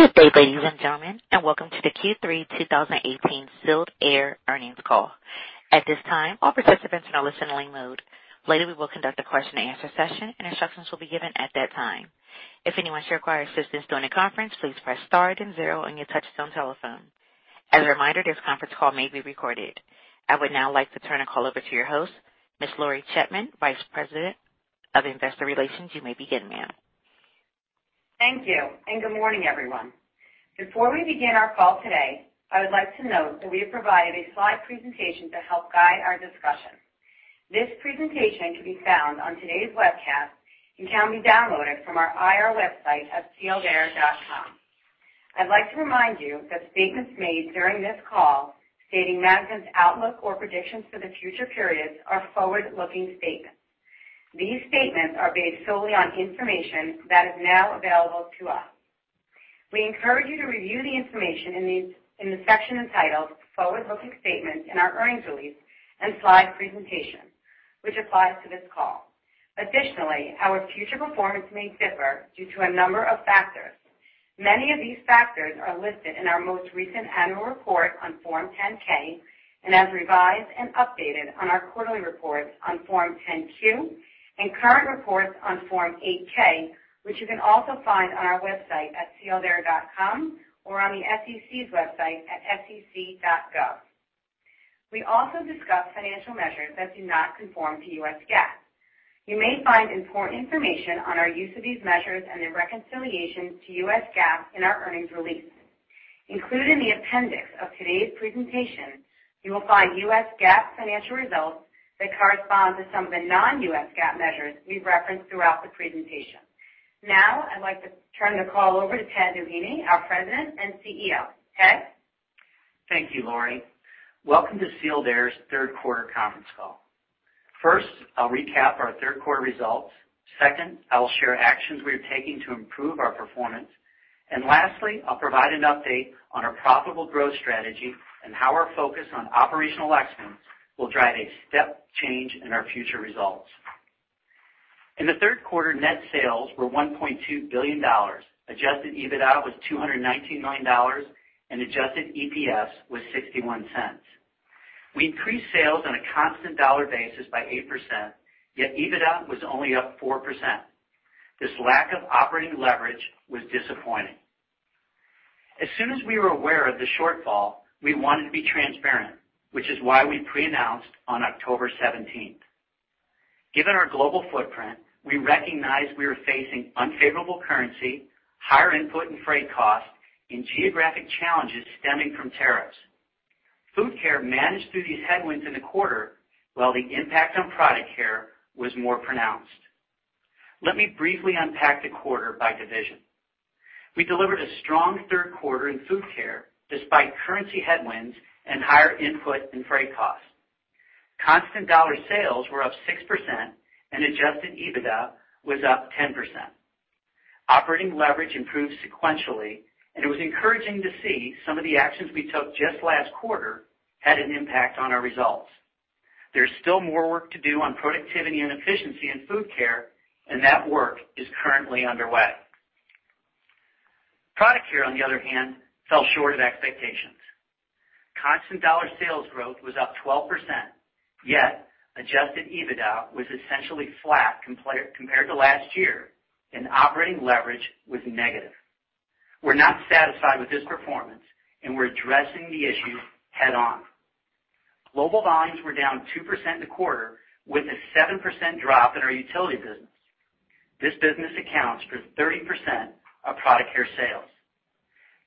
Good day, ladies and gentlemen, welcome to the Q3 2018 Sealed Air earnings call. At this time, all participants are in listen-only mode. Later, we will conduct a question and answer session, instructions will be given at that time. If anyone should require assistance during the conference, please press star then zero on your touchtone telephone. As a reminder, this conference call may be recorded. I would now like to turn the call over to your host, Ms. Lori Chaitman, Vice President of Investor Relations. You may begin, ma'am. Thank you, good morning, everyone. Before we begin our call today, I would like to note that we have provided a slide presentation to help guide our discussion. This presentation can be found on today's webcast and can be downloaded from our IR website at sealedair.com. I'd like to remind you that statements made during this call stating management's outlook or predictions for the future periods are forward-looking statements. These statements are based solely on information that is now available to us. We encourage you to review the information in the section entitled Forward-Looking Statements in our earnings release and slide presentation, which applies to this call. Our future performance may differ due to a number of factors. Many of these factors are listed in our most recent annual report on Form 10-K and as revised and updated on our quarterly reports on Form 10-Q and current reports on Form 8-K, which you can also find on our website at sealedair.com or on the SEC's website at sec.gov. We also discuss financial measures that do not conform to US GAAP. You may find important information on our use of these measures and their reconciliation to US GAAP in our earnings release. Included in the appendix of today's presentation, you will find US GAAP financial results that correspond to some of the non-US GAAP measures we've referenced throughout the presentation. I'd like to turn the call over to Ted Doheny, our President and CEO. Ted? Thank you, Lori. Welcome to Sealed Air's third quarter conference call. First, I'll recap our third quarter results. Second, I will share actions we are taking to improve our performance. Lastly, I'll provide an update on our profitable growth strategy and how our focus on operational excellence will drive a step change in our future results. In the third quarter, net sales were $1.2 billion. Adjusted EBITDA was $219 million, adjusted EPS was $0.61. We increased sales on a constant dollar basis by 8%, EBITDA was only up 4%. This lack of operating leverage was disappointing. As soon as we were aware of the shortfall, we wanted to be transparent, which is why we pre-announced on October 17th. Given our global footprint, we recognize we are facing unfavorable currency, higher input and freight costs, and geographic challenges stemming from tariffs. Food Care managed through these headwinds in the quarter, while the impact on Product Care was more pronounced. Let me briefly unpack the quarter by division. We delivered a strong third quarter in Food Care despite currency headwinds and higher input and freight costs. Constant dollar sales were up 6% and adjusted EBITDA was up 10%. Operating leverage improved sequentially, and it was encouraging to see some of the actions we took just last quarter had an impact on our results. There's still more work to do on productivity and efficiency in Food Care, and that work is currently underway. Product Care, on the other hand, fell short of expectations. Constant dollar sales growth was up 12%, yet adjusted EBITDA was essentially flat compared to last year, and operating leverage was negative. We're not satisfied with this performance, and we're addressing the issues head-on. Global volumes were down 2% in the quarter with a 7% drop in our utility business. This business accounts for 30% of Product Care sales.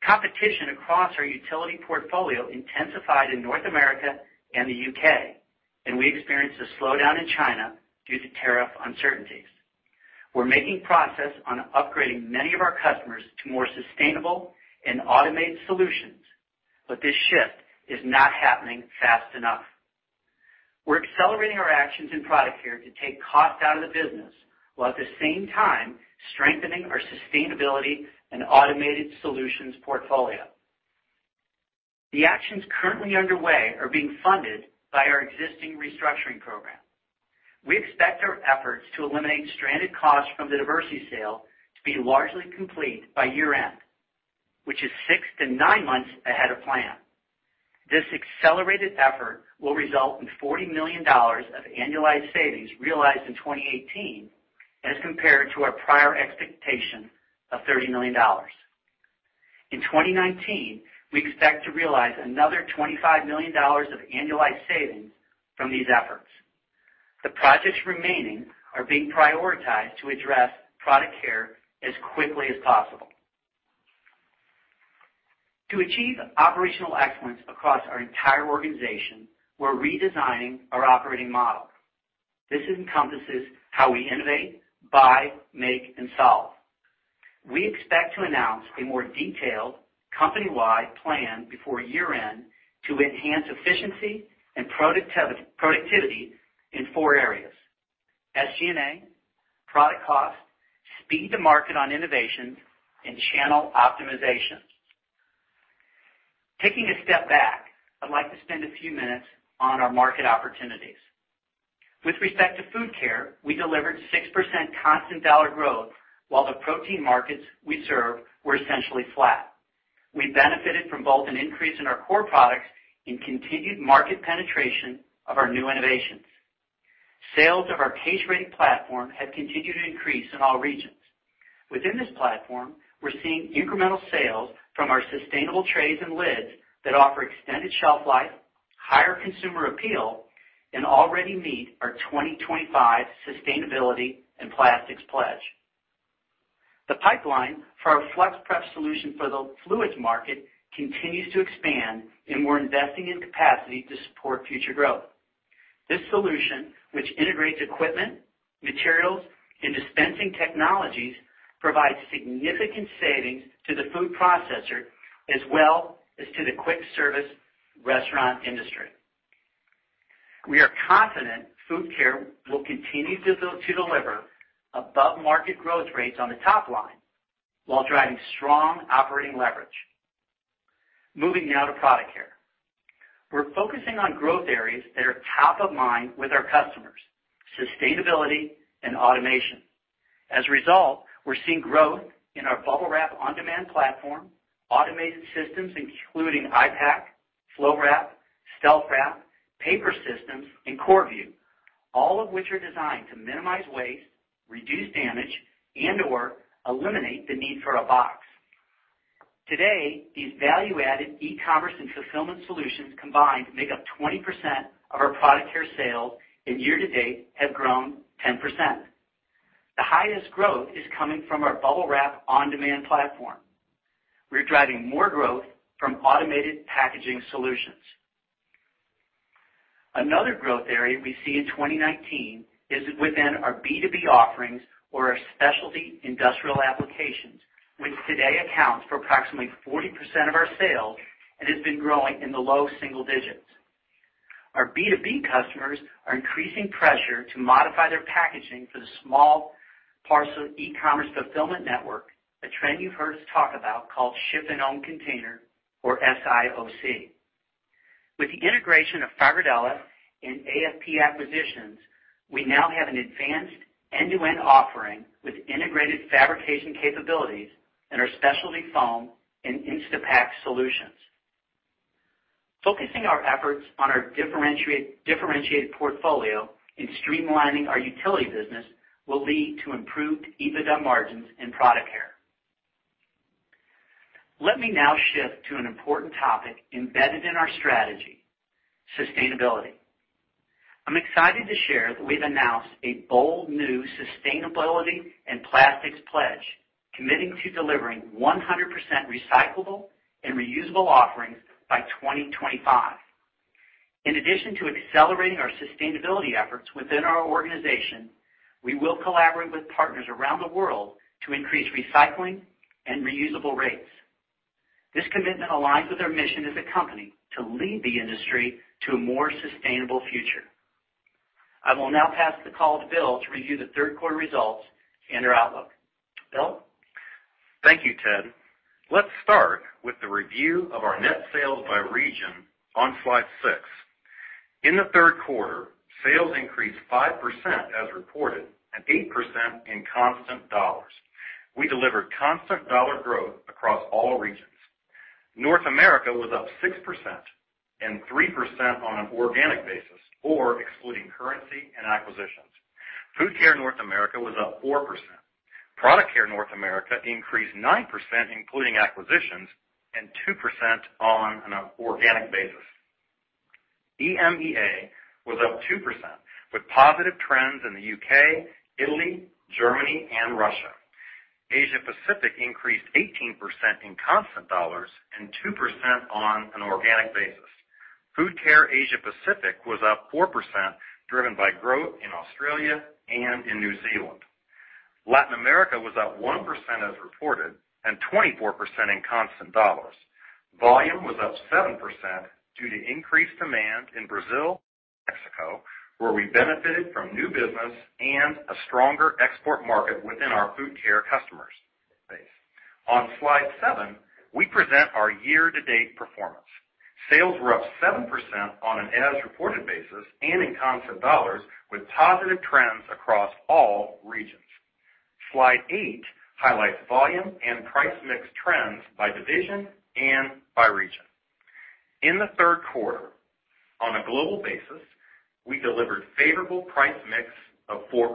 Competition across our utility portfolio intensified in North America and the U.K., and we experienced a slowdown in China due to tariff uncertainties. We're making progress on upgrading many of our customers to more sustainable and automated solutions, but this shift is not happening fast enough. We're accelerating our actions in Product Care to take cost out of the business, while at the same time strengthening our sustainability and automated solutions portfolio. The actions currently underway are being funded by our existing restructuring program. We expect our efforts to eliminate stranded costs from the Diversey sale to be largely complete by year-end, which is six to nine months ahead of plan. This accelerated effort will result in $40 million of annualized savings realized in 2018 as compared to our prior expectation of $30 million. In 2019, we expect to realize another $25 million of annualized savings from these efforts. The projects remaining are being prioritized to address Product Care as quickly as possible. To achieve operational excellence across our entire organization, we're redesigning our operating model. This encompasses how we innovate, buy, make, and solve. We expect to announce a more detailed company-wide plan before year-end to enhance efficiency and productivity in four areas: SG&A, product cost, speed to market on innovations, and channel optimization. Taking a step back, I'd like to spend a few minutes on our market opportunities. With respect to Food Care, we delivered 6% constant dollar growth while the protein markets we serve were essentially flat. We benefited from both an increase in our core products and continued market penetration of our new innovations. Sales of our case-ready platform have continued to increase in all regions. Within this platform, we're seeing incremental sales from our sustainable trays and lids that offer extended shelf life, higher consumer appeal, and already meet our 2025 sustainability and plastics pledge. The pipeline for our FlexPrep solution for the fluids market continues to expand, and we're investing in capacity to support future growth. This solution, which integrates equipment, materials, and dispensing technologies, provides significant savings to the food processor as well as to the quick service restaurant industry. We are confident Food Care will continue to deliver above-market growth rates on the top line while driving strong operating leverage. Moving now to Product Care. We're focusing on growth areas that are top of mind with our customers, sustainability and automation. As a result, we're seeing growth in our Bubble Wrap on Demand platform, automated systems including I-Pack, FloWrap, StealthWrap, paper systems, and Korrvu, all of which are designed to minimize waste, reduce damage, and/or eliminate the need for a box. Today, these value-added e-commerce and fulfillment solutions combined make up 20% of our Product Care sales and year-to-date have grown 10%. The highest growth is coming from our Bubble Wrap on Demand platform. We're driving more growth from automated packaging solutions. Another growth area we see in 2019 is within our B2B offerings or our specialty industrial applications, which today accounts for approximately 40% of our sales and has been growing in the low single digits. Our B2B customers are increasing pressure to modify their packaging for the small parcel e-commerce fulfillment network, a trend you've heard us talk about called ship in own container, or SIOC. With the integration of Fagerdala and AFP acquisitions, we now have an advanced end-to-end offering with integrated fabrication capabilities and our specialty foam and Instapak solutions. Focusing our efforts on our differentiated portfolio and streamlining our utility business will lead to improved EBITDA margins in Product Care. Let me now shift to an important topic embedded in our strategy, sustainability. I'm excited to share that we've announced a bold new sustainability and plastics pledge, committing to delivering 100% recyclable and reusable offerings by 2025. In addition to accelerating our sustainability efforts within our organization, we will collaborate with partners around the world to increase recycling and reusable rates. This commitment aligns with our mission as a company to lead the industry to a more sustainable future. I will now pass the call to Bill to review the third quarter results and our outlook. Bill? Thank you, Ted. Let's start with a review of our net sales by region on slide six. In the third quarter, sales increased 5% as reported and 8% in constant dollars. We delivered constant dollar growth across all regions. North America was up 6% and 3% on an organic basis or excluding currency and acquisitions. Food Care North America was up 4%. Product Care North America increased 9%, including acquisitions, and 2% on an organic basis. EMEA was up 2%, with positive trends in the U.K., Italy, Germany, and Russia. Asia-Pacific increased 18% in constant dollars and 2% on an organic basis. Food Care Asia-Pacific was up 4%, driven by growth in Australia and in New Zealand. Latin America was up 1% as reported and 24% in constant dollars. Volume was up 7% due to increased demand in Brazil, Mexico, where we benefited from new business and a stronger export market within our Food Care customers base. On slide seven, we present our year-to-date performance. Sales were up 7% on an as-reported basis and in constant dollars, with positive trends across all regions. Slide eight highlights volume and price mix trends by division and by region. In the third quarter, on a global basis, we delivered favorable price mix of 4%.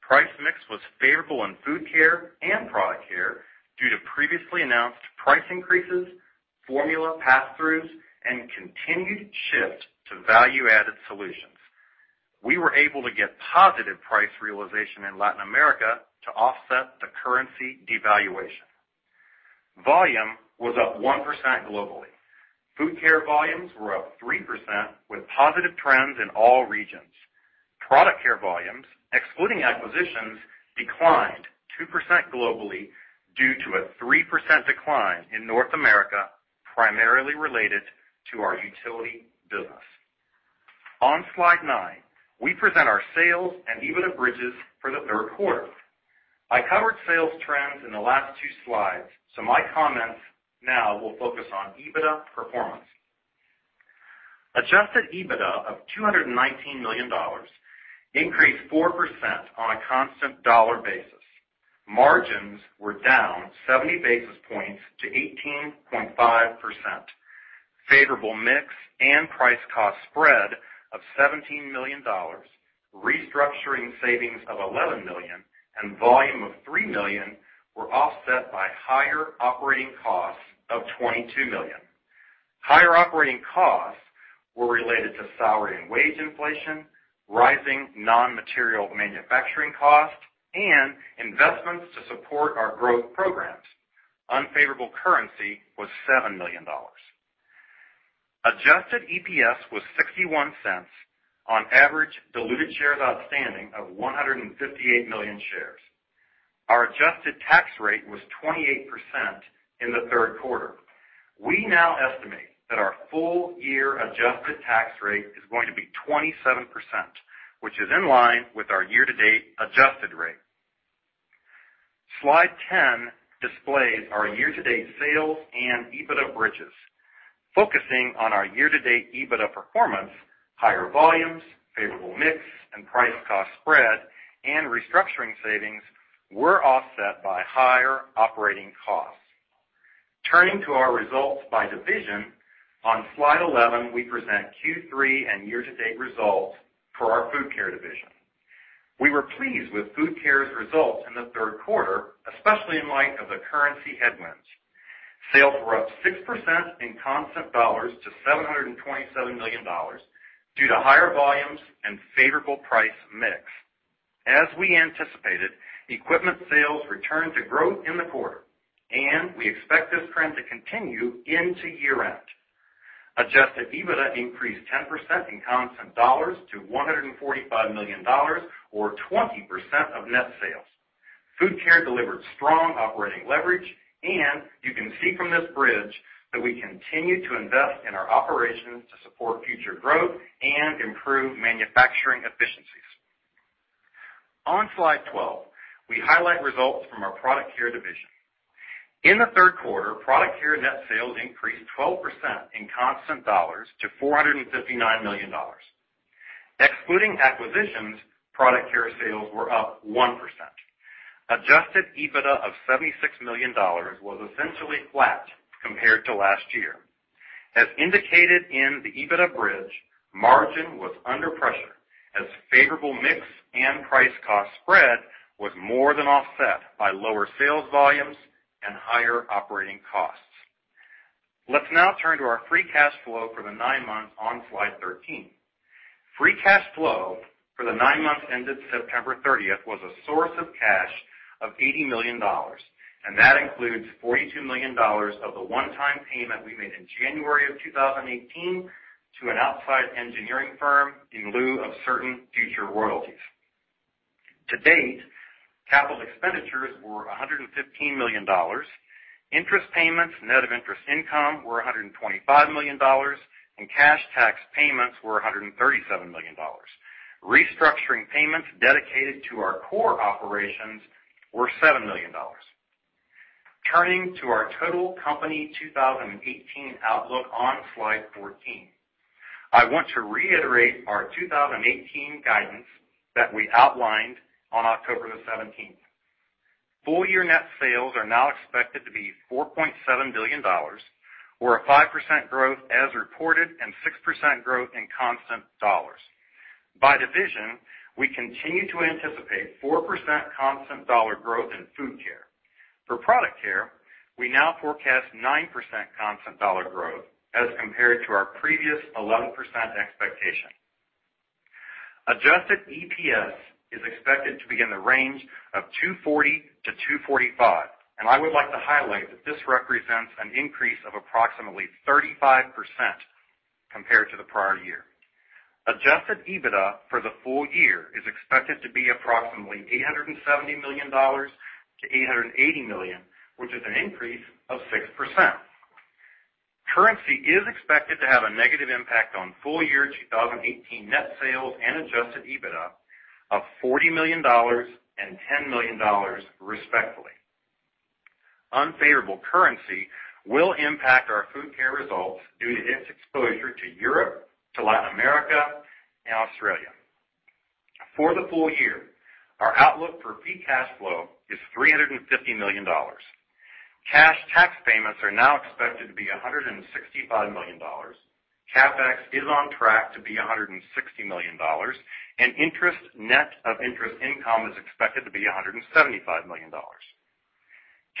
Price mix was favorable in Food Care and Product Care due to previously announced price increases, formula pass-throughs, and continued shift to value-added solutions. We were able to get positive price realization in Latin America to offset the currency devaluation. Volume was up 1% globally. Food Care volumes were up 3%, with positive trends in all regions. Product Care volumes, excluding acquisitions, declined 2% globally due to a 3% decline in North America, primarily related to our utility business. On Slide 9, we present our sales and EBITDA bridges for the third quarter. I covered sales trends in the last two slides, so my comments now will focus on EBITDA performance. Adjusted EBITDA of $219 million increased 4% on a constant dollar basis. Margins were down 70 basis points to 18.5%. Favorable mix and price cost spread of $17 million, restructuring savings of $11 million, and volume of $3 million were offset by higher operating costs of $22 million. Higher operating costs were related to salary and wage inflation, rising non-material manufacturing costs, and investments to support our growth programs. Unfavorable currency was $7 million. Adjusted EPS was $0.61 on average diluted shares outstanding of 158 million shares. Our adjusted tax rate was 28% in the third quarter. We now estimate that our full year adjusted tax rate is going to be 27%, which is in line with our year-to-date adjusted rate. Slide 10 displays our year-to-date sales and EBITDA bridges. Focusing on our year-to-date EBITDA performance, higher volumes, favorable mix, and price cost spread and restructuring savings were offset by higher operating costs. Turning to our results by division, on Slide 11, we present Q3 and year-to-date results for our Food Care division. We were pleased with Food Care's results in the third quarter, especially in light of the currency headwinds. Sales were up 6% in constant dollars to $727 million due to higher volumes and favorable price mix. As we anticipated, equipment sales returned to growth in the quarter, and we expect this trend to continue into year-end. Adjusted EBITDA increased 10% in constant dollars to $145 million or 20% of net sales. Food Care delivered strong operating leverage, and you can see from this bridge that we continue to invest in our operations to support future growth and improve manufacturing efficiencies. On Slide 12, we highlight results from our Product Care division. In the third quarter, Product Care net sales increased 12% in constant dollars to $459 million. Excluding acquisitions, Product Care sales were up 1%. Adjusted EBITDA of $76 million was essentially flat compared to last year. As indicated in the EBITDA bridge, margin was under pressure as favorable mix and price cost spread was more than offset by lower sales volumes and higher operating costs. Let's now turn to our free cash flow for the nine months on Slide 13. Free cash flow for the nine months ended September 30th was a source of cash of $80 million, and that includes $42 million of the one-time payment we made in January of 2018 to an outside engineering firm in lieu of certain future royalties. To date, CapEx were $115 million, interest payments net of interest income were $125 million, and cash tax payments were $137 million. Restructuring payments dedicated to our core operations were $7 million. Turning to our total company 2018 outlook on Slide 14, I want to reiterate our 2018 guidance that we outlined on October the 17th. Full-year net sales are now expected to be $4.7 billion, or a 5% growth as reported and 6% growth in constant dollars. By division, we continue to anticipate 4% constant dollar growth in Food Care. For Product Care, we now forecast 9% constant dollar growth as compared to our previous 11% expectation. Adjusted EPS is expected to be in the range of $2.40-$2.45, and I would like to highlight that this represents an increase of approximately 35% compared to the prior year. Adjusted EBITDA for the full year is expected to be approximately $870 million-$880 million, which is an increase of 6%. Currency is expected to have a negative impact on full-year 2018 net sales and adjusted EBITDA of $40 million and $10 million, respectively. Unfavorable currency will impact our Food Care results due to its exposure to Europe, to Latin America, and Australia. For the full year, our outlook for free cash flow is $350 million. Cash tax payments are now expected to be $165 million. CapEx is on track to be $160 million. Interest net of interest income is expected to be $175 million.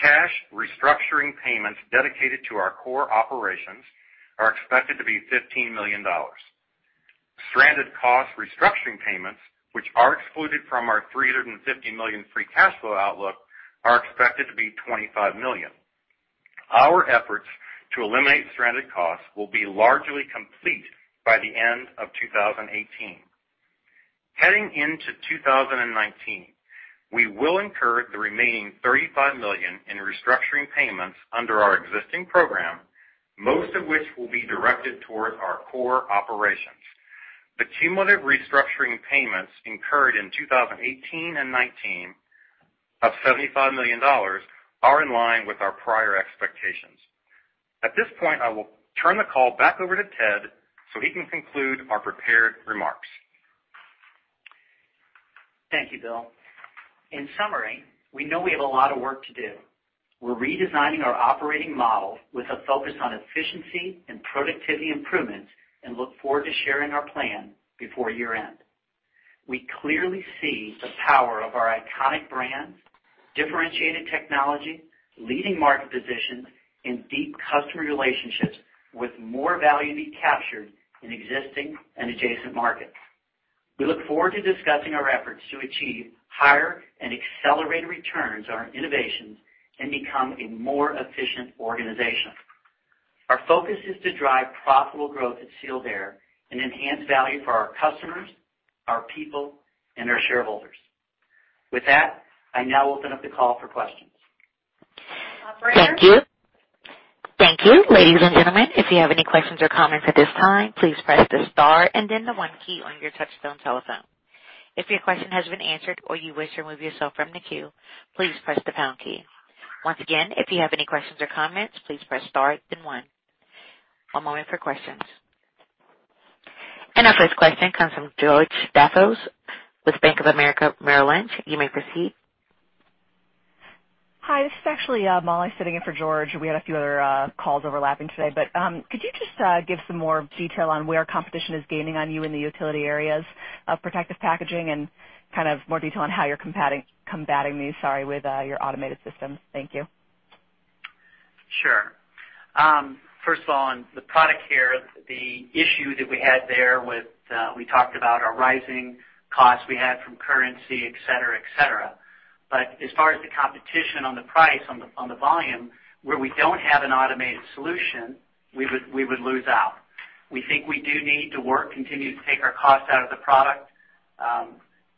Cash restructuring payments dedicated to our core operations are expected to be $15 million. Stranded cost restructuring payments, which are excluded from our $350 million free cash flow outlook, are expected to be $25 million. Our efforts to eliminate stranded costs will be largely complete by the end of 2018. Heading into 2019, we will incur the remaining $35 million in restructuring payments under our existing program, most of which will be directed towards our core operations. The cumulative restructuring payments incurred in 2018 and 2019 of $75 million are in line with our prior expectations. At this point, I will turn the call back over to Ted so he can conclude our prepared remarks. Thank you, Bill. In summary, we know we have a lot of work to do. We're redesigning our operating model with a focus on efficiency and productivity improvements and look forward to sharing our plan before year-end. We clearly see the power of our iconic brands, differentiated technology, leading market positions, and deep customer relationships with more value to be captured in existing and adjacent markets. We look forward to discussing our efforts to achieve higher and accelerated returns on our innovations and become a more efficient organization. Our focus is to drive profitable growth at Sealed Air and enhance value for our customers, our people, and our shareholders. With that, I now open up the call for questions. Operator? Thank you. Thank you. Ladies and gentlemen, if you have any questions or comments at this time, please press the star and then the one key on your touch-tone telephone. If your question has been answered or you wish to remove yourself from the queue, please press the pound key. Once again, if you have any questions or comments, please press star then one. One moment for questions. Our first question comes from George Staphos with Bank of America Merrill Lynch. You may proceed. Hi, this is actually Molly sitting in for George. We had a few other calls overlapping today. Could you just give some more detail on where competition is gaining on you in the utility areas of Product Care and more detail on how you're combating these, sorry, with your automated systems? Thank you. Sure. First of all, on the Product Care, the issue that we had there with, we talked about our rising costs we had from currency, et cetera. As far as the competition on the price, on the volume, where we don't have an automated solution, we would lose out. We think we do need to work, continue to take our cost out of the product,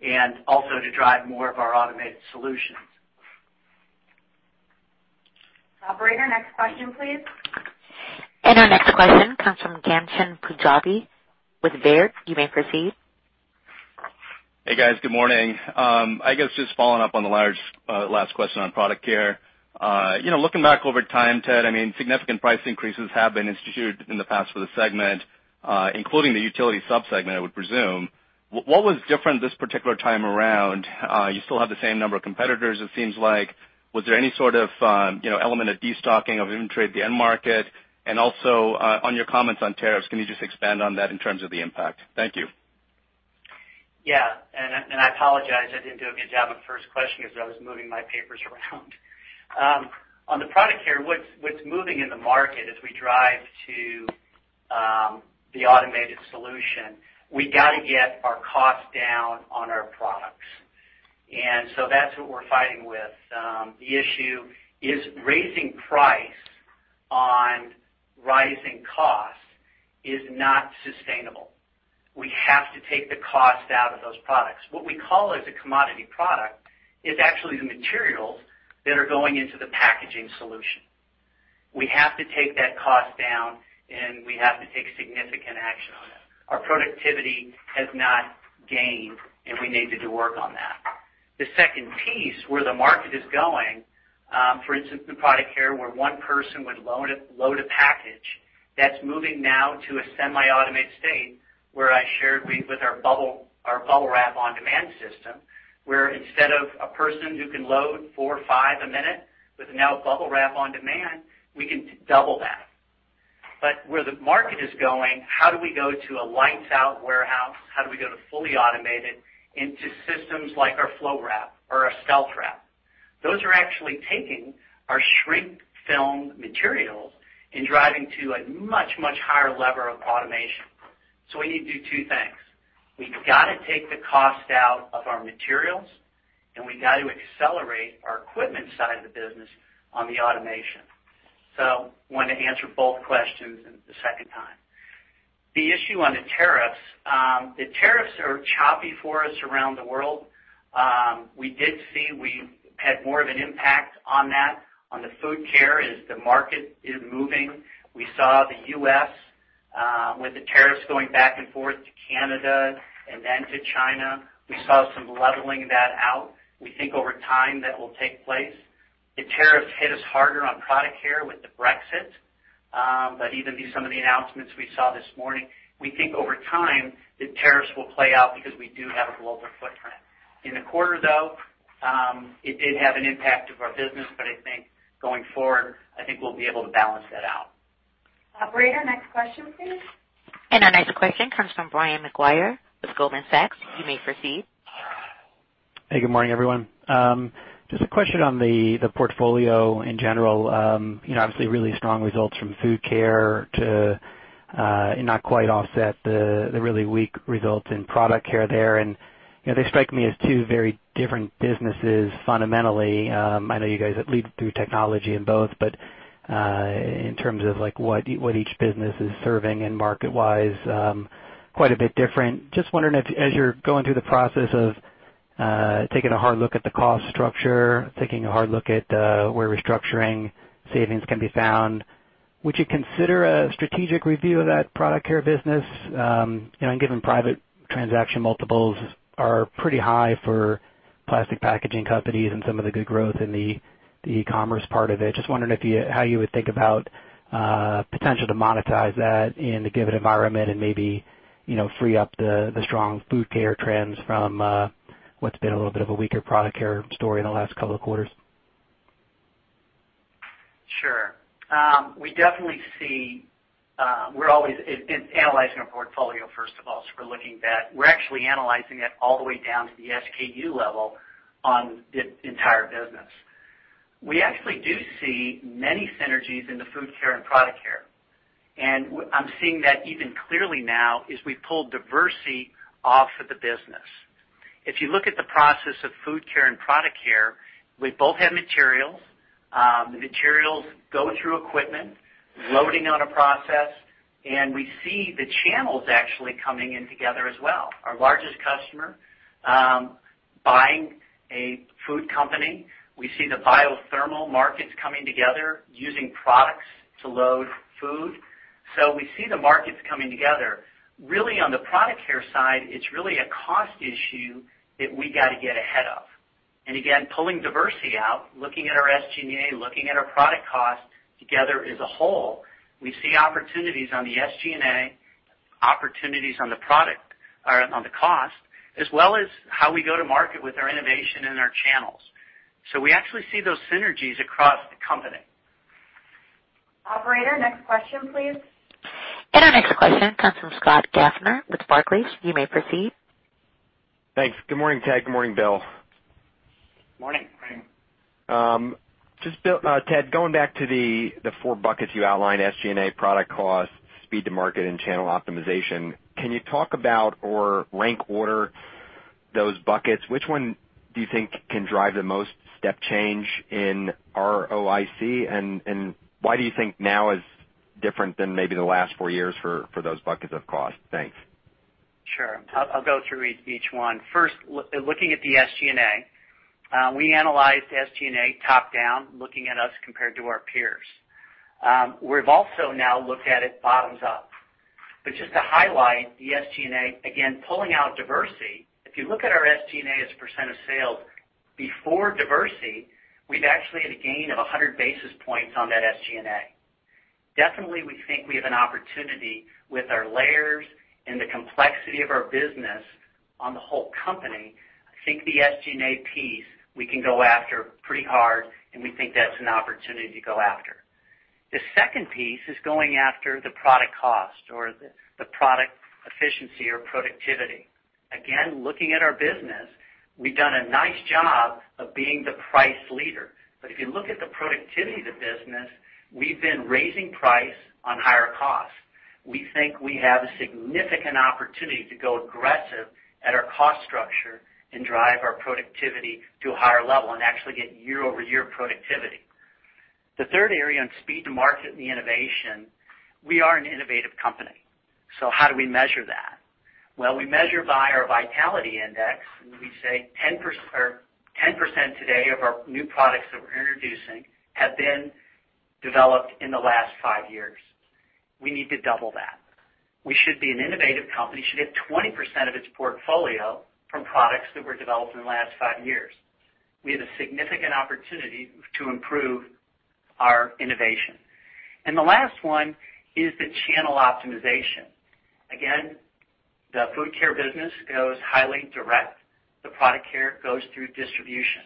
and also to drive more of our automated solutions. Operator, next question, please. Our next question comes from Ghansham Panjabi with Baird. You may proceed. Hey, guys. Good morning. I guess just following up on the last question on Product Care. Looking back over time, Ted, significant price increases have been instituted in the past for the segment, including the utility sub-segment, I would presume. What was different this particular time around? You still have the same number of competitors, it seems like. Was there any sort of element of destocking of inventory at the end market? Also, on your comments on tariffs, can you just expand on that in terms of the impact? Thank you. Yeah. I apologize, I didn't do a good job on the first question because I was moving my papers around. On the Product Care, what's moving in the market as we drive to the automated solution, we got to get our cost down on our products. So that's what we're fighting with. The issue is raising price on rising costs is not sustainable. We have to take the cost out of those products. What we call as a commodity product is actually the materials that are going into the packaging solution. We have to take that cost down, and we have to take significant action on that. Our productivity has not gained, and we need to do work on that. The second piece, where the market is going, for instance, in Product Care, where one person would load a package, that's moving now to a semi-automated state where I shared with our Bubble Wrap on Demand system, where instead of a person who can load four or five a minute with now Bubble Wrap on Demand, we can double that. Where the market is going, how do we go to a lights-out warehouse? How do we go to fully automated into systems like our FloWrap or our StealthWrap? Those are actually taking our shrink film materials and driving to a much, much higher level of automation. We need to do two things. We've got to take the cost out of our materials, and we got to accelerate our equipment side of the business on the automation. Wanted to answer both questions the second time. The issue on the tariffs. The tariffs are choppy for us around the world. We did see we had more of an impact on that on the Food Care as the market is moving. We saw the U.S. with the tariffs going back and forth to Canada and then to China. We saw some leveling that out. We think over time that will take place. The tariffs hit us harder on Product Care with the Brexit. Even some of the announcements we saw this morning, we think over time the tariffs will play out because we do have a global footprint. In the quarter, though, it did have an impact of our business, but I think going forward, I think we'll be able to balance that out. Operator, next question please. Our next question comes from Brian Maguire with Goldman Sachs. You may proceed. Hey, good morning, everyone. Just a question on the portfolio in general. Obviously really strong results from Food Care to not quite offset the really weak results in Product Care there. They strike me as two very different businesses fundamentally. I know you guys lead through technology in both, but in terms of what each business is serving and market-wise, quite a bit different. Just wondering if as you're going through the process of taking a hard look at the cost structure, taking a hard look at where restructuring savings can be found. Would you consider a strategic review of that Product Care business? Given private transaction multiples are pretty high for plastic packaging companies and some of the good growth in the e-commerce part of it, just wondering how you would think about potential to monetize that in the given environment and maybe free up the strong Food Care trends from what's been a little bit of a weaker Product Care story in the last couple of quarters. Sure. We're always analyzing our portfolio, first of all. We're looking at that. We're actually analyzing it all the way down to the SKU level on the entire business. We actually do see many synergies into Food Care and Product Care. I'm seeing that even clearly now as we've pulled Diversey off of the business. If you look at the process of Food Care and Product Care, we both have materials. The materials go through equipment, loading on a process, and we see the channels actually coming in together as well. Our largest customer buying a food company. We see the biothermal markets coming together, using products to load food. We see the markets coming together. Really on the Product Care side, it's really a cost issue that we got to get ahead of. Again, pulling Diversey out, looking at our SG&A, looking at our product cost together as a whole, we see opportunities on the SG&A, opportunities on the cost, as well as how we go to market with our innovation and our channels. We actually see those synergies across the company. Operator, next question, please. Our next question comes from Scott Gaffner with Barclays. You may proceed. Thanks. Good morning, Ted. Good morning, Bill. Morning. Morning. Just, Ted, going back to the four buckets you outlined, SG&A, product cost, speed to market, and channel optimization, can you talk about or rank order those buckets? Which one do you think can drive the most step change in ROIC? Why do you think now is different than maybe the last four years for those buckets of cost? Thanks. Sure. I'll go through each one. First, looking at the SG&A. We analyzed SG&A top-down, looking at us compared to our peers. We've also now looked at it bottoms up. Just to highlight the SG&A, again, pulling out Diversey, if you look at our SG&A as a % of sales before Diversey, we've actually had a gain of 100 basis points on that SG&A. Definitely, we think we have an opportunity with our layers and the complexity of our business on the whole company. I think the SG&A piece, we can go after pretty hard, we think that's an opportunity to go after. The second piece is going after the product cost or the product efficiency or productivity. Again, looking at our business, we've done a nice job of being the price leader. If you look at the productivity of the business, we've been raising price on higher costs. We think we have a significant opportunity to go aggressive at our cost structure and drive our productivity to a higher level and actually get year-over-year productivity. Third area on speed to market and the innovation, we are an innovative company. How do we measure that? Well, we measure by our vitality index, and we say 10% today of our new products that we're introducing have been developed in the last five years. We need to double that. We should be an innovative company, should get 20% of its portfolio from products that were developed in the last five years. We have a significant opportunity to improve our innovation. Last one is the channel optimization. Again, the Food Care business goes highly direct. The Product Care goes through distribution.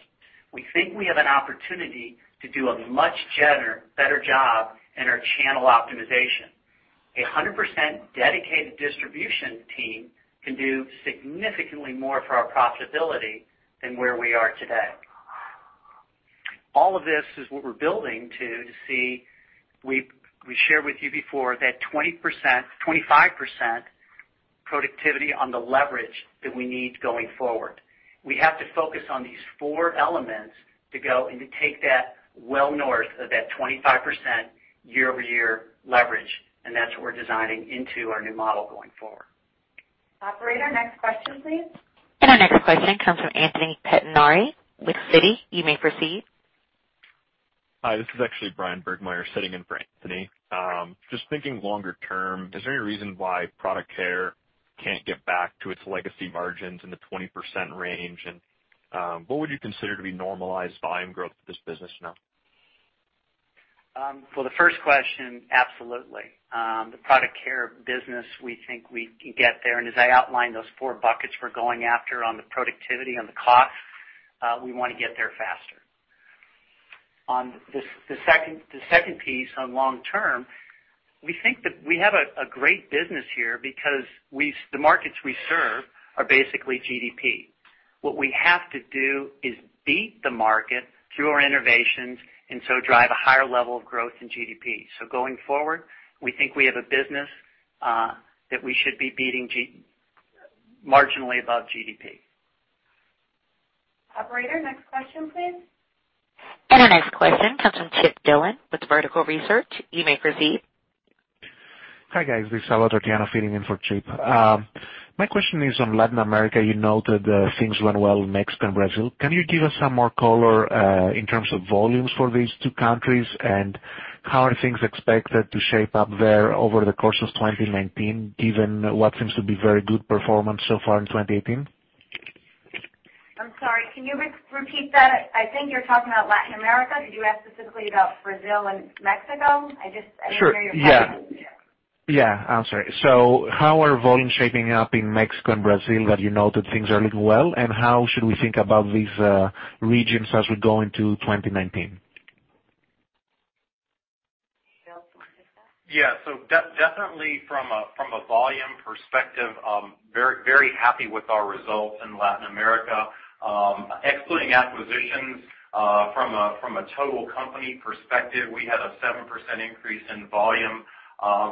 We think we have an opportunity to do a much better job in our channel optimization. A 100% dedicated distribution team can do significantly more for our profitability than where we are today. All of this is what we're building to see, we shared with you before that 25% productivity on the leverage that we need going forward. We have to focus on these four elements to go and to take that well north of that 25% year-over-year leverage, and that's what we're designing into our new model going forward. Operator, next question, please. Our next question comes from Anthony Pettinari with Citi. You may proceed. Hi, this is actually Bryan Burgmeier sitting in for Anthony. Just thinking longer term, is there any reason why Product Care can't get back to its legacy margins in the 20% range? What would you consider to be normalized volume growth for this business now? For the first question, absolutely. The Product Care business, we think we can get there, and as I outlined, those four buckets we're going after on the productivity, on the cost, we want to get there faster. On the second piece, on long term, we think that we have a great business here because the markets we serve are basically GDP. What we have to do is beat the market through our innovations and so drive a higher level of growth in GDP. Going forward, we think we have a business that we should be beating marginally above GDP. Operator, next question, please. Our next question comes from Chip Dillon with Vertical Research. You may proceed. Hi guys, this is filling in for Chip. My question is on Latin America. You noted things went well in Mexico and Brazil. Can you give us some more color in terms of volumes for these two countries, and how are things expected to shape up there over the course of 2019, given what seems to be very good performance so far in 2018? I'm sorry, can you repeat that? I think you're talking about Latin America. Did you ask specifically about Brazil and Mexico? I didn't hear your question. Sure. Yeah. I'm sorry. How are volumes shaping up in Mexico and Brazil that you noted things are looking well, and how should we think about these regions as we go into 2019? Bill, do you want to take that? Definitely from a volume perspective, very happy with our results in Latin America. Excluding acquisitions, from a total company perspective, we had a 7% increase in volume.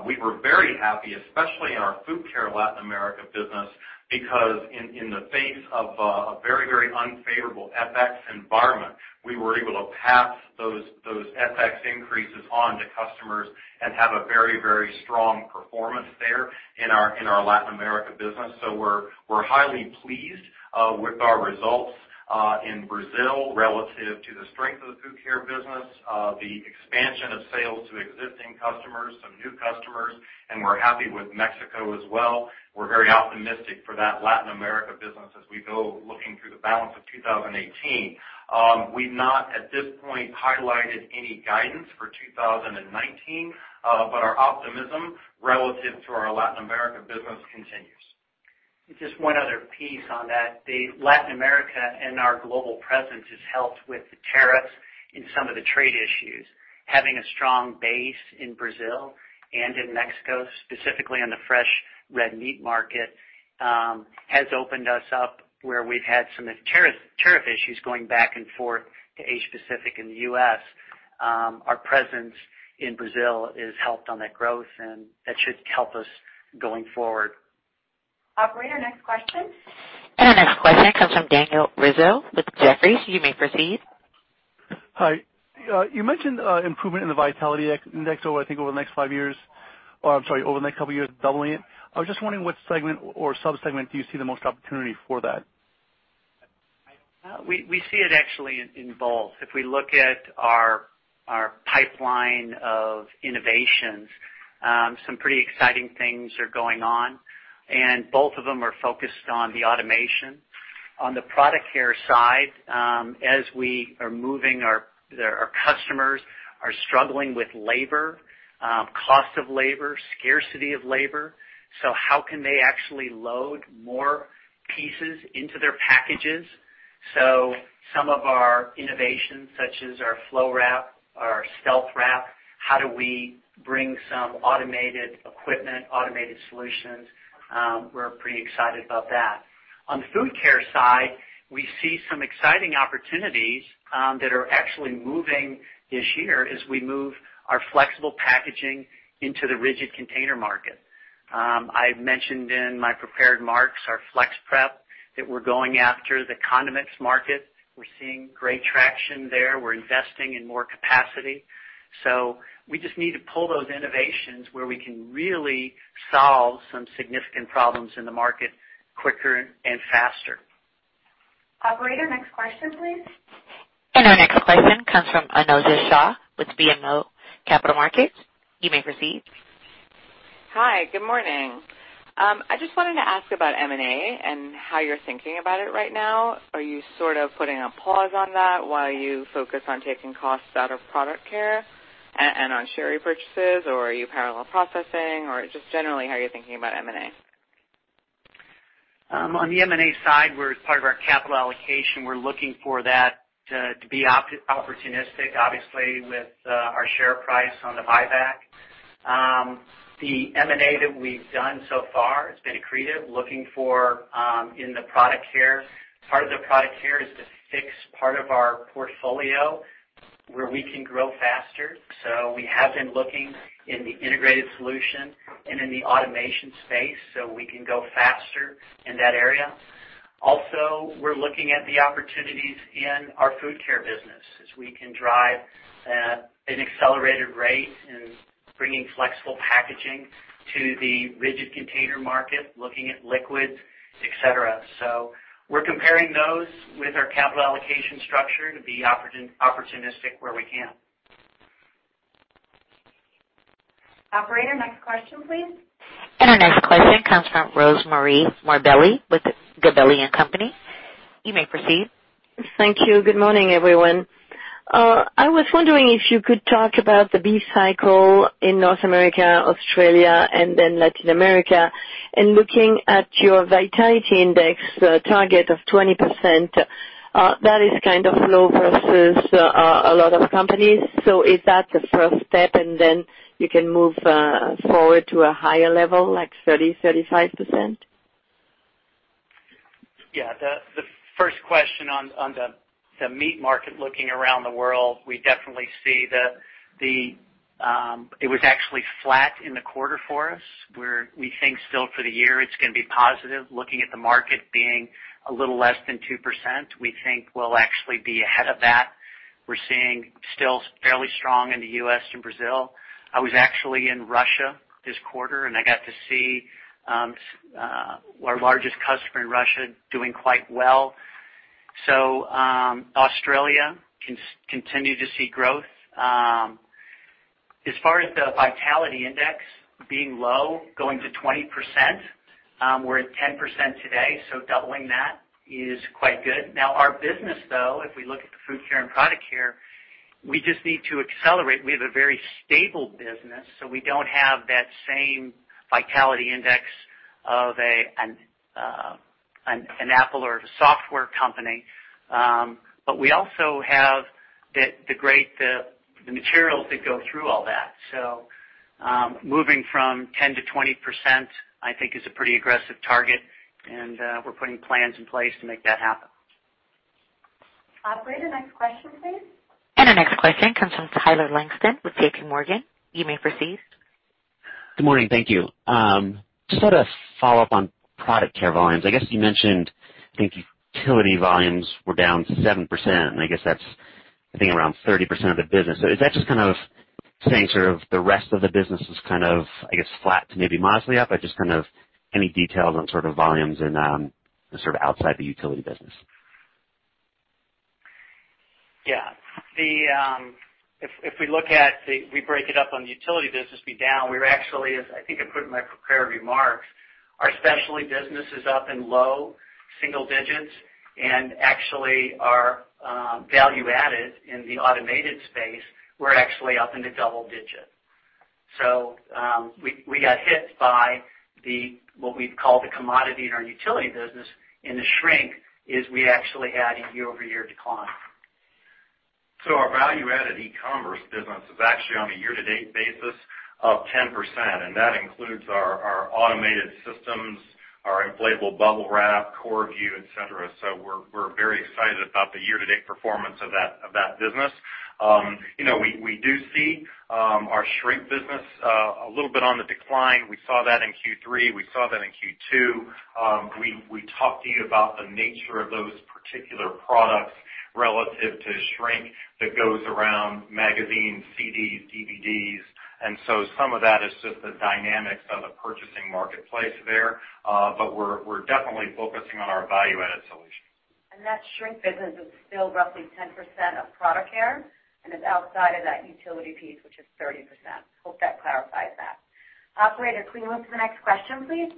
We were very happy, especially in our Food Care Latin America business, because in the face of a very unfavorable FX environment, we were able to pass those FX increases on to customers and have a very strong performance there in our Latin America business. We're highly pleased with our results in Brazil relative to the strength of the Food Care business, the expansion of sales to existing customers, some new customers, and we're happy with Mexico as well. We're very optimistic for that Latin America business as we go looking through the balance of 2018. We've not, at this point, highlighted any guidance for 2019, but our optimism relative to our Latin America business continues. Just one other piece on that. The Latin America and our global presence has helped with the tariffs in some of the trade issues. Having a strong base in Brazil and in Mexico, specifically on the fresh red meat market, has opened us up where we've had some tariff issues going back and forth to Asia Pacific and the U.S. Our presence in Brazil has helped on that growth, and that should help us going forward. Operator, next question. Our next question comes from Daniel Rizzo with Jefferies. You may proceed. Hi. You mentioned improvement in the Vitality Index over, I think, the next five years, or I'm sorry, over the next couple of years, doubling it. I was just wondering which segment or sub-segment do you see the most opportunity for that? We see it actually in both. If we look at our pipeline of innovations, some pretty exciting things are going on. Both of them are focused on the automation. On the Product Care side, as we are moving, our customers are struggling with labor, cost of labor, scarcity of labor. How can they actually load more pieces into their packages? Some of our innovations, such as our FloWrap or our StealthWrap, how do we bring some automated equipment, automated solutions? We're pretty excited about that. On the Food Care side, we see some exciting opportunities that are actually moving this year as we move our flexible packaging into the rigid container market. I mentioned in my prepared marks our FlexPrep, that we're going after the condiments market. We're seeing great traction there. We're investing in more capacity. We just need to pull those innovations where we can really solve some significant problems in the market quicker and faster. Operator, next question, please. Our next question comes from Arun Viswanathan with RBC Capital Markets. You may proceed. Hi, good morning. I just wanted to ask about M&A and how you're thinking about it right now. Are you sort of putting a pause on that while you focus on taking costs out of Product Care and on share repurchases, or are you parallel processing, or just generally, how are you thinking about M&A? On the M&A side, as part of our capital allocation, we're looking for that to be opportunistic, obviously, with our share price on the buyback. The M&A that we've done so far, it's been accretive, looking for in the Product Care. Part of the Product Care is to fix part of our portfolio where we can grow faster. We have been looking in the integrated solution and in the automation space so we can go faster in that area. We're looking at the opportunities in our Food Care business as we can drive at an accelerated rate in bringing flexible packaging to the rigid container market, looking at liquids, et cetera. We're comparing those with our capital allocation structure to be opportunistic where we can. Operator, next question, please. Our next question comes from Rosemarie Morbelli with Gabelli & Company. You may proceed. Thank you. Good morning, everyone. I was wondering if you could talk about the beef cycle in North America, Australia, and then Latin America. Looking at your vitality index target of 20%, that is kind of low versus a lot of companies. Is that the first step, and then you can move forward to a higher level, like 30%, 35%? Yeah. The first question on the meat market looking around the world, we definitely see that it was actually flat in the quarter for us. We think still for the year it's going to be positive. Looking at the market being a little less than 2%, we think we'll actually be ahead of that. We're seeing still fairly strong in the U.S. and Brazil. I was actually in Russia this quarter, and I got to see our largest customer in Russia doing quite well. Australia continue to see growth. As far as the vitality index being low, going to 20%, we're at 10% today, so doubling that is quite good. Now our business though, if we look at the Food Care and Product Care, we just need to accelerate. We have a very stable business, so we don't have that same vitality index of an Apple or a software company. We also have the materials that go through all that. Moving from 10% to 20%, I think is a pretty aggressive target, and we're putting plans in place to make that happen. Operator, next question please. Our next question comes from Tyler Langton with J.P. Morgan. You may proceed. Good morning. Thank you. Just sort of follow up on Product Care volumes. I guess you mentioned, I think utility volumes were down 7%, and I guess that's, I think around 30% of the business. Is that just kind of saying sort of the rest of the business is kind of I guess flat to maybe modestly up, just kind of any details on sort of volumes and sort of outside the utility business? Yeah. If we look at the We break it up on the utility business be down. We're actually, as I think I put in my prepared remarks, our specialty business is up in low single digits, and actually our value added in the automated space, we're actually up into double digit. We got hit by what we'd call the commodity in our utility business, and the shrink is we actually had a year-over-year decline. Our value added e-commerce business is actually on a year-to-date basis of 10%, and that includes our automated systems, our inflatable Bubble Wrap, Korrvu, et cetera. We're very excited about the year-to-date performance of that business. We do see our shrink business a little bit on the decline. We saw that in Q3. We saw that in Q2. We talked to you about the nature of those particular products relative to shrink that goes around magazines, CDs, DVDs, some of that is just the dynamics of the purchasing marketplace there. We're definitely focusing on our value-added solutions. That shrink business is still roughly 10% of Product Care and is outside of that utility piece, which is 30%. Hope that clarifies that. Operator, can we move to the next question, please?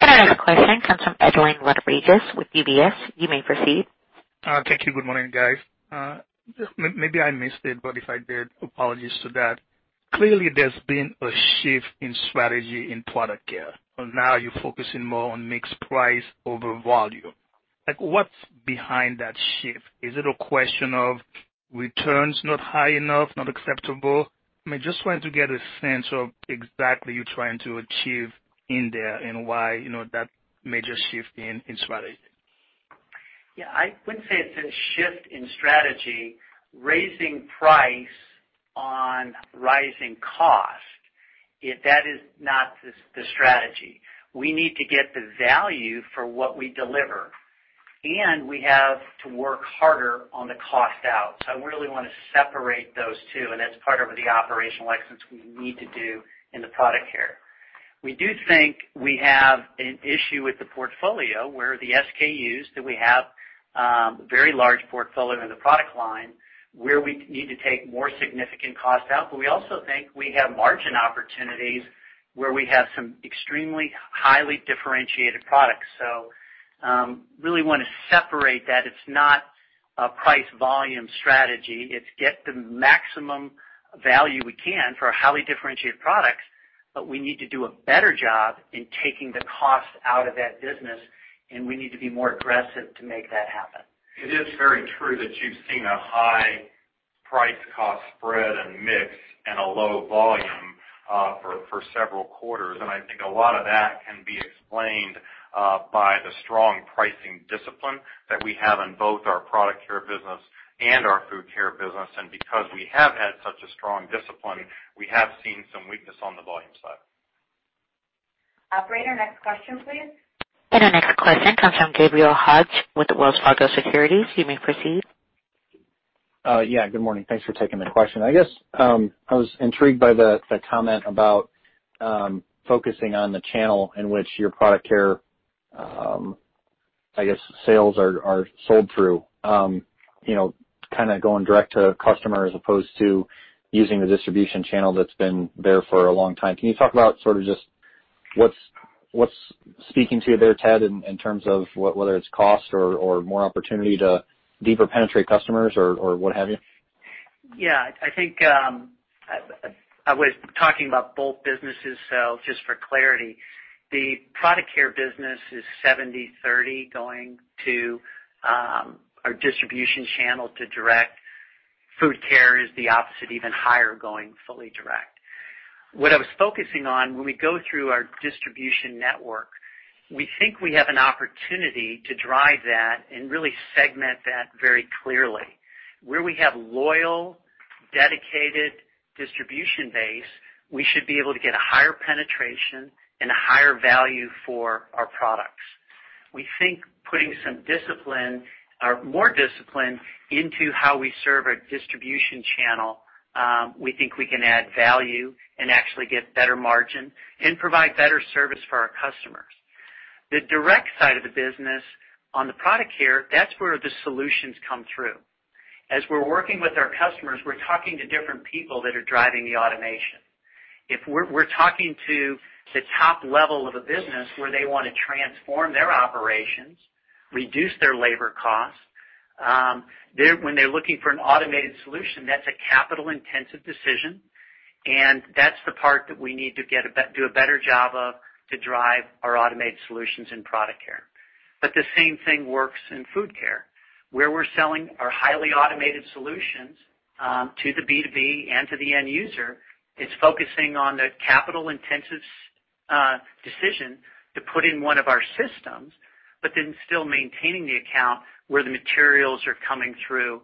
Our next question comes from Edlain Rodriguez with UBS Securities. You may proceed. Thank you. Good morning, guys. Maybe I missed it, but if I did, apologies to that. Clearly there's been a shift in strategy in Product Care, and now you're focusing more on mixed price over volume. Like, what's behind that shift? Is it a question of returns not high enough, not acceptable? I just wanted to get a sense of exactly you're trying to achieve in there and why that major shift in strategy. Yeah, I wouldn't say it's a shift in strategy. Raising price on rising cost, that is not the strategy. We need to get the value for what we deliver, and we have to work harder on the cost out. I really want to separate those two, and that's part of the operational excellence we need to do in the Product Care. We do think we have an issue with the portfolio where the SKUs that we have, very large portfolio in the product line, where we need to take more significant cost out. We also think we have margin opportunities where we have some extremely highly differentiated products. Really want to separate that. It's not a price-volume strategy. It's get the maximum value we can for our highly differentiated products, we need to do a better job in taking the cost out of that business, we need to be more aggressive to make that happen. It is very true that you've seen a high price cost spread and mix and a low volume for several quarters, I think a lot of that can be explained by the strong pricing discipline that we have in both our Product Care business and our Food Care business. Because we have had such a strong discipline, we have seen some weakness on the volume side. Operator, next question, please. Our next question comes from Gabe Hajde with Wells Fargo Securities. You may proceed. Yeah, good morning. Thanks for taking the question. I guess, I was intrigued by the comment about focusing on the channel in which your Product Care, I guess, sales are sold through. Kind of going direct to customer as opposed to using the distribution channel that's been there for a long time. Can you talk about sort of just what's speaking to you there, Ted, in terms of whether it's cost or more opportunity to deeper penetrate customers or what have you? Yeah, I think I was talking about both businesses. Just for clarity, the Product Care business is 70/30 going to our distribution channel to direct. Food Care is the opposite, even higher going fully direct. What I was focusing on when we go through our distribution network, we think we have an opportunity to drive that and really segment that very clearly. Where we have loyal, dedicated distribution base, we should be able to get a higher penetration and a higher value for our products. We think putting some discipline or more discipline into how we serve our distribution channel, we think we can add value and actually get better margin and provide better service for our customers. The direct side of the business on the Product Care, that's where the solutions come through. As we're working with our customers, we're talking to different people that are driving the automation. If we're talking to the top level of a business where they want to transform their operations, reduce their labor costs. When they're looking for an automated solution, that's a capital-intensive decision, and that's the part that we need to do a better job of to drive our automated solutions in Product Care. The same thing works in Food Care, where we're selling our highly automated solutions, to the B2B and to the end user. It's focusing on the capital-intensive decision to put in one of our systems, but then still maintaining the account where the materials are coming through.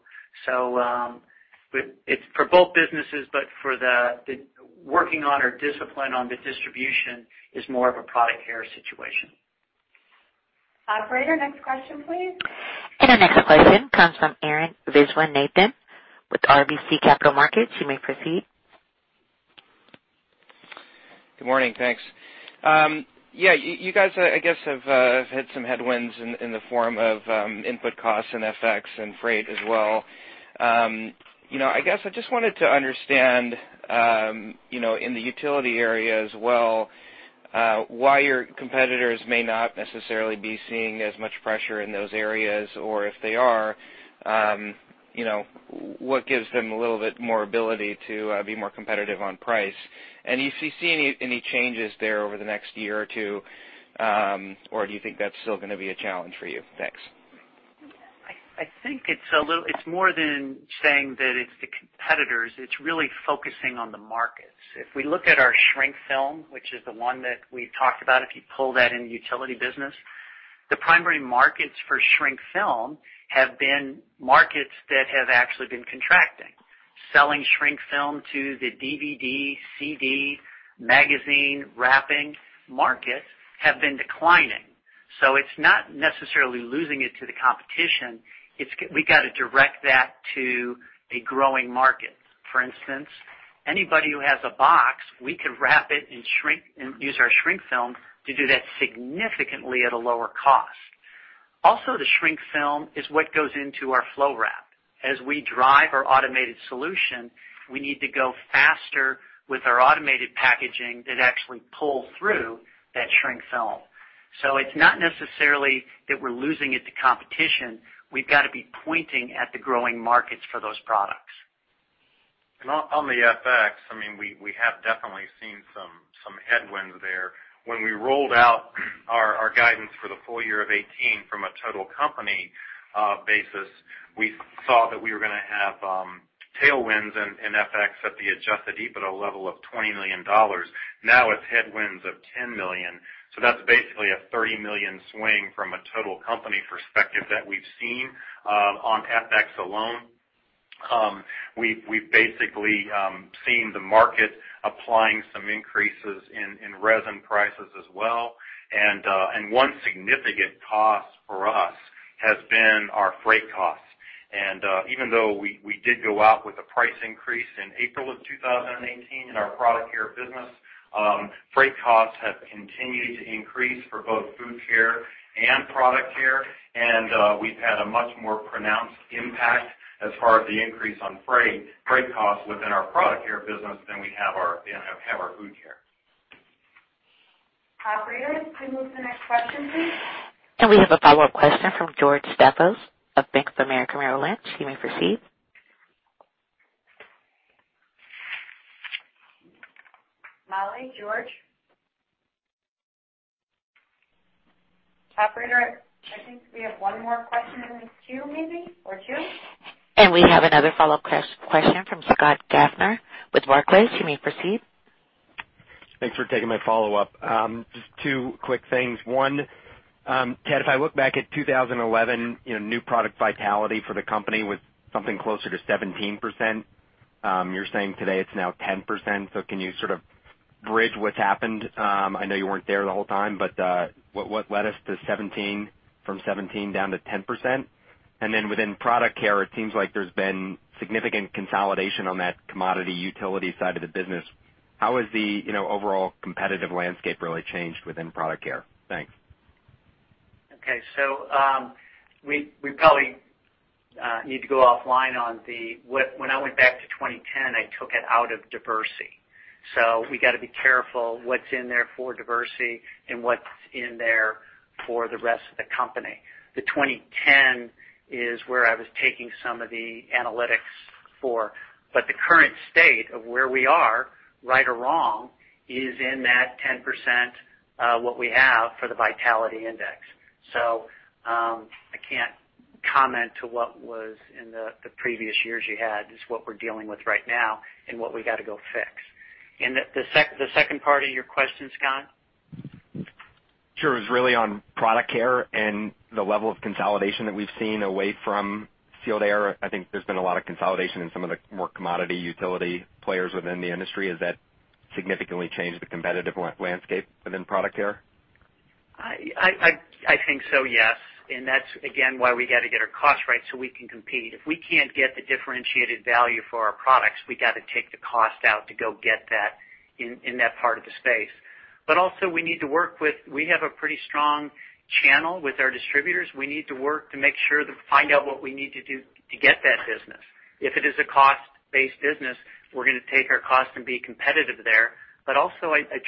It's for both businesses, but for the working on or discipline on the distribution is more of a Product Care situation. Operator, next question, please. Our next question comes from Arun Viswanathan with RBC Capital Markets. You may proceed. Good morning, thanks. You guys, I guess have hit some headwinds in the form of input costs and FX and freight as well. I guess I just wanted to understand, in the utility area as well, why your competitors may not necessarily be seeing as much pressure in those areas or if they are, what gives them a little bit more ability to be more competitive on price? If you see any changes there over the next year or two, or do you think that's still going to be a challenge for you? Thanks. I think it's more than saying that it's the competitors. It's really focusing on the markets. If we look at our shrink film, which is the one that we've talked about, if you pull that in the utility business. The primary markets for shrink film have been markets that have actually been contracting. Selling shrink film to the DVD, CD, magazine wrapping markets have been declining. It's not necessarily losing it to the competition. We got to direct that to a growing market. For instance, anybody who has a box, we could wrap it and use our shrink film to do that significantly at a lower cost. Also, the shrink film is what goes into our FloWrap. As we drive our automated solution, we need to go faster with our automated packaging that actually pull through that shrink film. It's not necessarily that we're losing it to competition. We've got to be pointing at the growing markets for those products. On the FX, we have definitely seen some headwinds there. When we rolled out our guidance for the full year of 2018 from a total company basis, we saw that we were going to have tailwinds in FX at the adjusted EBITDA level of $20 million. Now it's headwinds of $10 million. That's basically a $30 million swing from a total company perspective that we've seen, on FX alone. We've basically seen the market applying some increases in resin prices as well. One significant cost for us has been our freight cost. Even though we did go out with a price increase in April of 2018 in our Product Care business, freight costs have continued to increase for both Food Care and Product Care. We've had a much more pronounced impact as far as the increase on freight costs within our Product Care business than we have our Food Care. Operator, can we move to the next question, please? We have a follow-up question from George Staphos of Bank of America Merrill Lynch. You may proceed. Molly, George? Operator, I think we have one more question in the queue maybe, or two. We have another follow-up question from Scott Gaffner with Barclays. You may proceed. Thanks for taking my follow-up. Just two quick things. One, Ted Doheny, if I look back at 2011, new product vitality for the company was something closer to 17%. You're saying today it's now 10%. Can you sort of bridge what's happened? I know you weren't there the whole time, but, what led us to 17 from 17 down to 10%? Then within Product Care, it seems like there's been significant consolidation on that commodity utility side of the business. How has the overall competitive landscape really changed within Product Care? Thanks. We probably need to go offline on the. When I went back to 2010, I took it out of Diversey. We got to be careful what's in there for Diversey and what's in there for the rest of the company. The 2010 is where I was taking some of the analytics for. The current state of where we are, right or wrong, is in that 10%, what we have for the vitality index. I can't comment to what was in the previous years you had. It's what we're dealing with right now and what we got to go fix. The second part of your question, Scott? Sure. It was really on Product Care and the level of consolidation that we've seen away from Sealed Air. I think there's been a lot of consolidation in some of the more commodity utility players within the industry. Has that significantly changed the competitive landscape within Product Care? I think so, yes. That's again, why we got to get our cost right so we can compete. If we can't get the differentiated value for our products, we got to take the cost out to go get that in that part of the space. We have a pretty strong channel with our distributors. We need to work to make sure to find out what we need to do to get that business. If it is a cost-based business, we're going to take our cost and be competitive there. I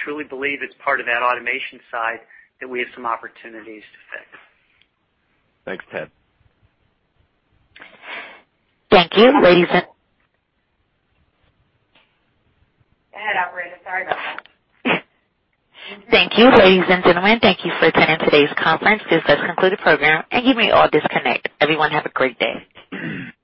truly believe it's part of that automation side that we have some opportunities to fix. Thanks, Ted. Thank you, ladies and- Go ahead operator. Sorry about that. Thank you, ladies and gentlemen. Thank you for attending today's conference. This does conclude the program and you may all disconnect. Everyone have a great day.